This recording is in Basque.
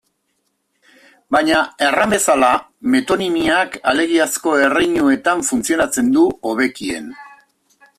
Baina, erran bezala, metonimiak alegiazko erreinuetan funtzionatzen du hobekien.